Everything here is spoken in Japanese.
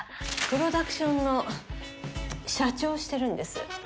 プロダクションの社長をしてるんです。